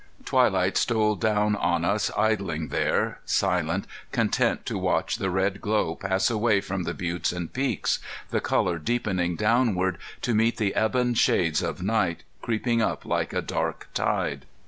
Twilight stole down on us idling there, silent, content to watch the red glow pass away from the buttes and peaks, the color deepening downward to meet the ebon shades of night creeping up like a dark tide.